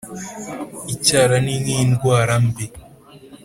Icyaha ni nk indwara mbi